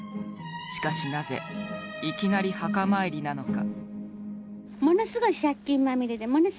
しかしなぜいきなり墓参りなのか。